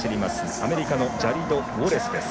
アメリカのジャリド・ウォレスです。